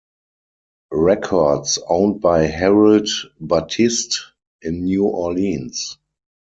Records owned by Harold Battiste in New Orleans.